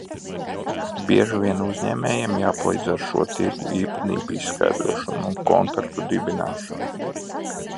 Bieži vien uzņēmējiem jāpalīdz ar šo tirgu īpatnību izskaidrošanu un kontaktu dibināšanu.